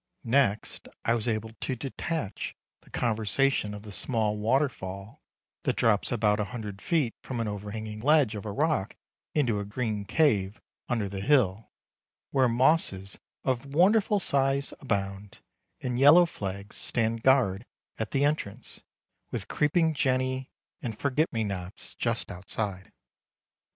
Next I was able to detach the conversation of the small waterfall that drops about a hundred feet from an overhanging ledge of rock into a green cave under the hill, where mosses of wonderful size abound, and yellow flags stand guard at the entrance, with creeping jenny and forget me nots just outside.